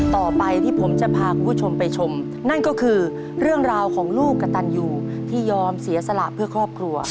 ต่อไปที่ผมจะพาคุณผู้ชมไปชมนั่นก็คือเรื่องราวของลูกกระตันอยู่ที่ยอมเสียสละเพื่อครอบครัว